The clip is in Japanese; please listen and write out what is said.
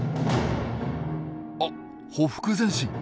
あっ「ほふく前進」。